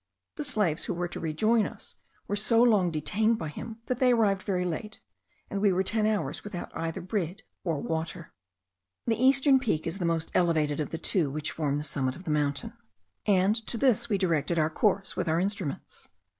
The slaves, who were to rejoin us, were so long detained by him, that they arrived very late, and we were ten hours without either bread or water. The eastern peak is the most elevated of the two which form the summit of the mountain, and to this we directed our course with our instruments.